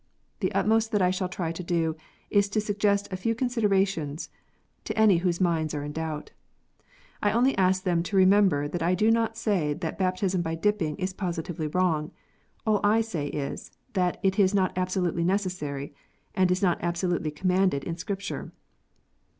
The utmost that I shall try to do is to suggest a few con siderations to any whose minds are in doubt. I only ask them to remember that I do not say that baptism by " dipping " is positively wrong. All I say is, that it is not absolutely necessary, and is not absolutely commanded in Scripture.